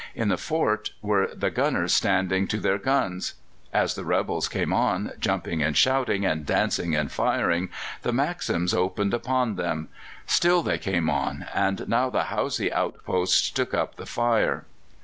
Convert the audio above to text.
In the fort were the gunners standing to their guns. As the rebels came on, jumping and shouting, and dancing and firing, the Maxims opened upon them; still they came on, and now the Hausa outposts took up the fire.